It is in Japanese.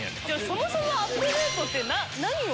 そもそもアップデートって何を？